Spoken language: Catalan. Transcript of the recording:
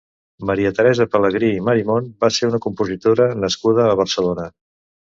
Maria Teresa Pelegrí i Marimon va ser una compositora nascuda a Barcelona.